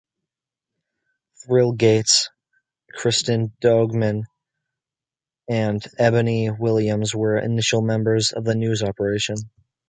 Trill Gates, Kristen Doogan and Ebony Williams were initial members of the news operation.